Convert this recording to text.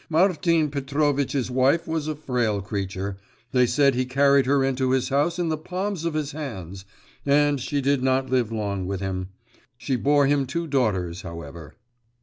Martin Petrovitch's wife was a frail creature they said he carried her into his house in the palms of his hands and she did not live long with him. She bore him two daughters, however.